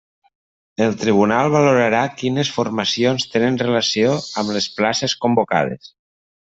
El tribunal valorarà quines formacions tenen relació amb les places convocades.